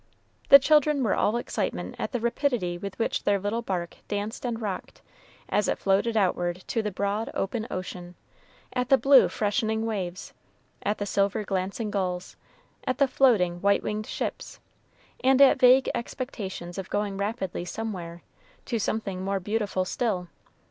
The children were all excitement at the rapidity with which their little bark danced and rocked, as it floated outward to the broad, open ocean; at the blue, freshening waves, at the silver glancing gulls, at the floating, white winged ships, and at vague expectations of going rapidly somewhere, to something more beautiful still.